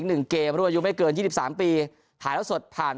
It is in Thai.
หนึ่งเกมรุ่นอายุไม่เกินยี่สิบสามปีถ่ายแล้วสดผ่าน